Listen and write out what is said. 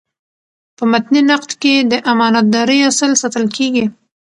په متني نقد کي د امانت دارۍاصل ساتل کیږي.